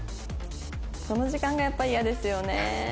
この時間がやっぱ嫌ですよね。